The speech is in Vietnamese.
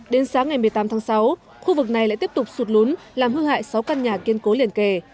đến sáng ngày một mươi tám tháng sáu khu vực này lại tiếp tục sụp lùn làm hư hại sáu căn nhà kiên cố liền kề